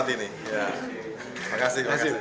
terima kasih banyak